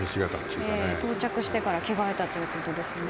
到着してから着替えたということですね。